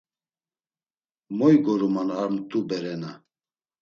“Moy goruman ar mt̆u berena?”